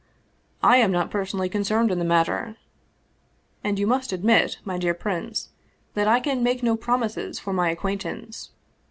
" I am not personally concerned in the matter, and you must admit, my dear prince, that I can make no promises for my acquaintance."